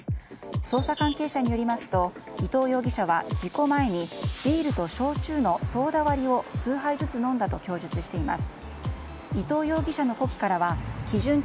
捜査関係者によりますと伊東容疑者は事故前にビールと焼酎のソーダ割りを数杯ずつ飲んだと供述しています。